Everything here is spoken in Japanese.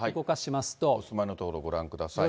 お住まいの所ご覧ください。